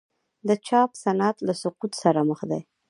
د چاپ صنعت له سقوط سره مخ دی؟